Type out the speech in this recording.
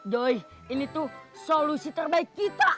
doy ini tuh solusi terbaik kita